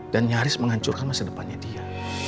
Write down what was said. dan nyaris menghancurkan masa depannya dia